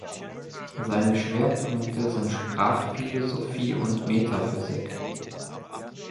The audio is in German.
Seine Schwerpunkte sind Sprachphilosophie und Metaphysik.